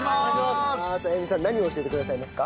歩美さん何を教えてくださいますか？